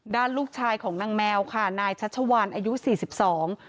ลูกชายของนางแมวค่ะนายชัชวานอายุสี่สิบสอง